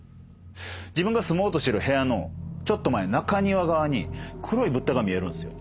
自分が住もうとしてる部屋のちょっと前中庭側に黒い物体が見えるんすよ。